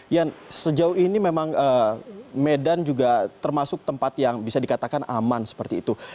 yan sejauh ini memang medan juga termasuk tempat yang bisa dikatakan aman seperti itu